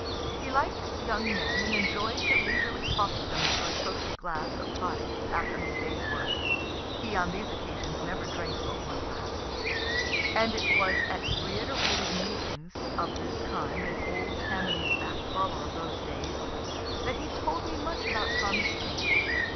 He liked young men, and enjoy'd to leisurely talk with them over a social glass of toddy, after his day's work, (he on these occasions never drank but one glass,) and it was at reiterated meetings of this kind in old Tammany's back parlor of those days, that he told me much about Thomas Paine.